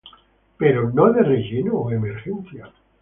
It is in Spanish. Pero no de relleno o emergencia.